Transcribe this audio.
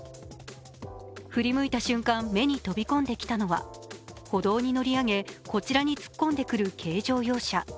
振り向いた瞬間、目に飛び込んできたのは、歩道に乗り上げ、こちらに突っ込んでくる軽乗用車。